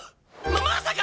ままさか！